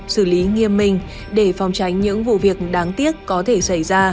xử lý nghiêm minh để phòng tránh những vụ việc đáng tiếc có thể xảy ra